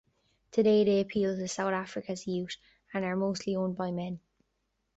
Today, they appeal to South Africa's youth, and are mostly owned by men.